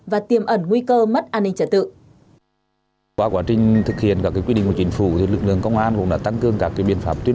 và tiềm ẩn nguy cơ mất an ninh trật tự